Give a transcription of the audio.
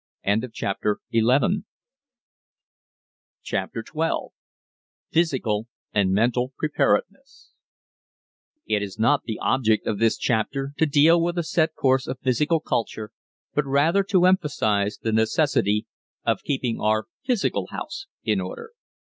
_ CHAPTER XII PHYSICAL AND MENTAL PREPAREDNESS It is not the object of this chapter to deal with a set course of physical culture, but rather to emphasize the necessity of keeping our physical house in order.